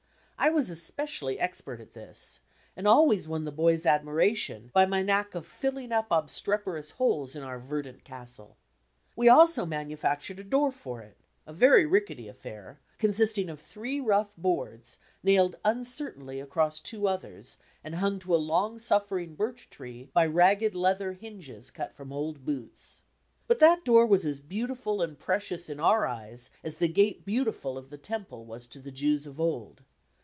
I was especially expert at this, and always won the boys' admiration by my knack of filling up obstrep erous holes in our verdant casde. We also manufactured a door for it, a very rickety affair, consisting of three rough boards nailed uncertainly across two others, and hung to a long suffering birch tree by ragged leather hinges cut from old boots. But that door was as beautiful and precious in our eyes as the Gate Beaudful of the Temple was to the Jews of old.